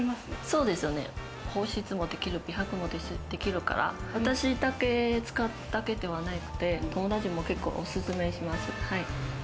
保湿もできる、美白もできるから私だけ使うだけではなくて、友達にも結構おすすめしま